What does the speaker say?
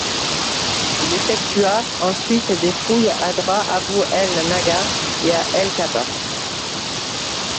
Il effectua ensuite des fouilles à Dra Abou el-Naga et à el-Qattah.